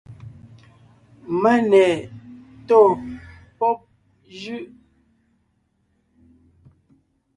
Mane tó pɔ́b jʉ́ʼ.